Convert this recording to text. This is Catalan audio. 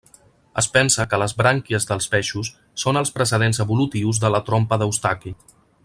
Es pensa que les brànquies dels peixos són els precedents evolutius de la trompa d'Eustaqui.